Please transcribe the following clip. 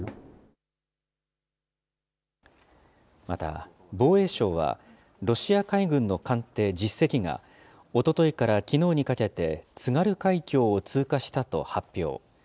また、防衛省は、ロシア海軍の艦艇１０隻が、おとといからきのうにかけて津軽海峡を通過したと発表。